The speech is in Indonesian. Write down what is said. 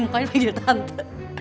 mukanya panggil tante